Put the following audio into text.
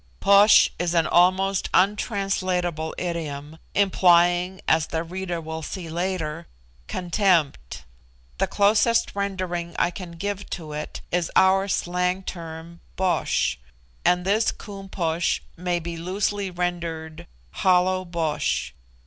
Posh is an almost untranslatable idiom, implying, as the reader will see later, contempt. The closest rendering I can give to it is our slang term, "bosh;" and this Koom Posh may be loosely rendered "Hollow Bosh."